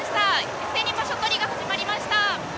一斉に場所取りが始まりました。